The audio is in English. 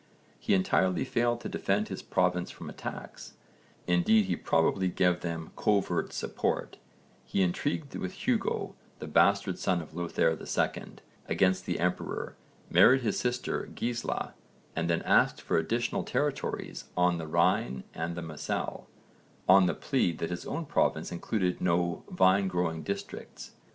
He entirely failed to defend his province from attacks, indeed he probably gave them covert support; he intrigued with Hugo, the bastard son of Lothair II, against the emperor, married his sister Gisla, and then asked for additional territories on the Rhine and the Moselle, on the plea that his own province included no vine growing districts.